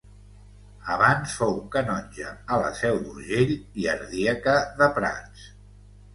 Abans fou canonge a la Seu d'Urgell i ardiaca de Prats.